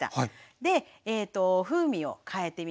で風味を変えてみました。